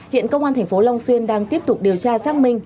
hiện công an tp long xuyên đang tiếp tục điều tra xác minh